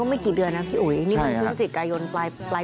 ไม่กี่เดือนนะพี่อุ๋ยนี่มันพฤศจิกายนปลาย